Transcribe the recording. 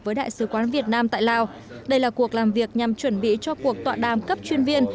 với đại sứ quán việt nam tại lào đây là cuộc làm việc nhằm chuẩn bị cho cuộc tọa đàm cấp chuyên viên